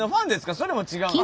それも違うの？